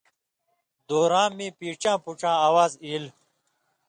دوراں مِیں پیڇی یاں پُوڇاں اواز ایل۔